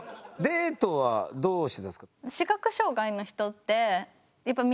デートはどうしてたんですか？